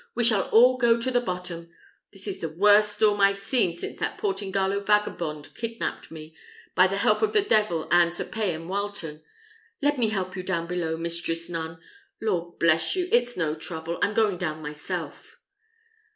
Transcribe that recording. we shall all go to the bottom. This is the worst storm I've seen since that Portingallo vagabond kidnapped me, by the help of the devil and Sir Payan Wileton. Let me help you down below, mistress nun. Lord bless you! it's no trouble; I'm going down myself."